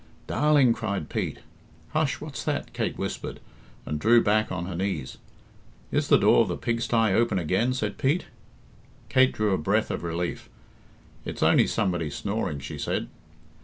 "Darling!" cried Pete. "Hush! What's that?" Kate whispered, and drew back on her knees. "Is the door of the pig sty open again?" said Pete. Kate drew a breath of relief. "It's only somebody snoring," she said.